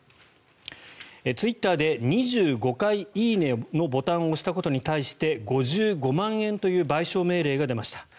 ツイッターで２５回「いいね」のボタンを押したことに対して５５万円という賠償命令が出ました。